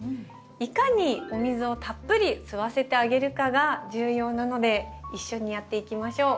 いかにお水をたっぷり吸わせてあげるかが重要なので一緒にやっていきましょう。